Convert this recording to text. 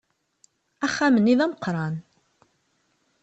Axxam-nni d ameqqran.